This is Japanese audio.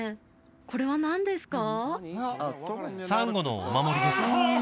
これは何ですか？